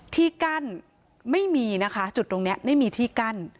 ที่กั้นไม่มีนะคะจุดตรงนี้ไม่มีที่กั้น